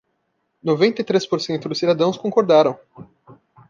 Noventa e três por cento dos cidadãos concordaram